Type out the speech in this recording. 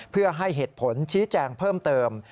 เพื่อให้เหตุผลชี้แจงเพิ่มเติม